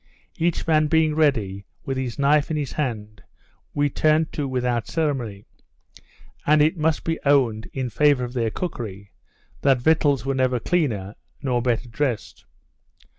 Each man being ready, with his knife in his hand, we turned to without ceremony; and it must be owned, in favour of their cookery, that victuals were never cleaner, nor better dressed.